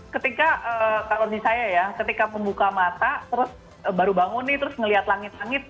ketika kalau di saya ya ketika pembuka mata terus baru bangun nih terus ngeliat langit langit